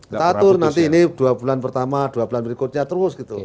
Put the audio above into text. kita atur nanti ini dua bulan pertama dua bulan berikutnya terus gitu